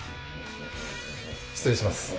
失礼します。